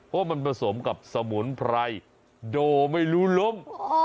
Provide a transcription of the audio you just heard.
เพราะมันผสมกับสมุนไพรโดไม่รู้ล้ม